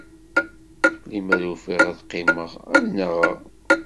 Limer ufiɣ ad qqimeɣ ad nnaɣeɣ.